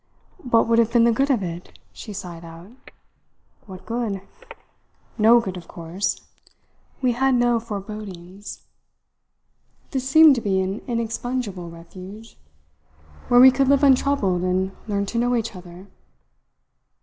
"What would have been the good of it?" she sighed out. "What good? No good, of course. We had no forebodings. This seemed to be an inexpugnable refuge, where we could live untroubled and learn to know each other."